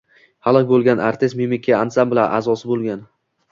Halok bo‘lgan artist mimika ansambli a’zosi bo‘lgan